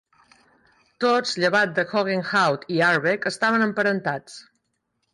Tots llevat de Hoogenhout i Ahrbeck estaven emparentats.